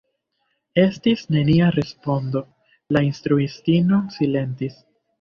Estis nenia respondo, la instruistino silentis.